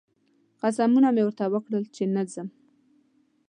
قسمونه مې ورته وکړل چې نه ځم